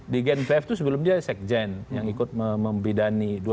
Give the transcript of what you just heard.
di gen vf itu sebelumnya sekjen yang ikut membidani dua ratus dua belas